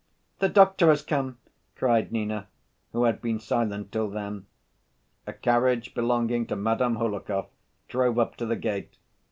"The doctor has come!" cried Nina, who had been silent till then. A carriage belonging to Madame Hohlakov drove up to the gate.